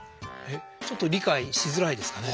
ちょっと理解しづらいですかね？